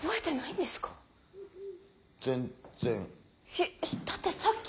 えだってさっき。